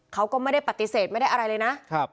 เขาก็ไม่ได้ปฏิเสธไม่ได้อะไรเลยนะ